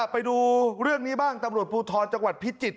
ไปดูเรื่องนี้บ้างตำรวจภูทรจังหวัดพิจิตร